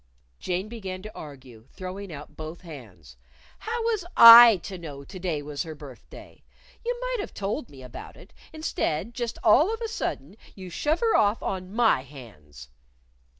Jane began to argue, throwing out both hands: "How was I to know to day was her birthday? You might've told me about it; instead, just all of a sudden, you shove her off on my hands."